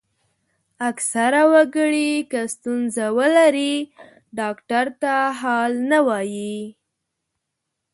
اکثره وګړي که ستونزه ولري ډاکټر ته حال نه وايي.